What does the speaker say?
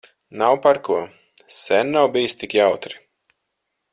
Nav par ko. Sen nav bijis tik jautri.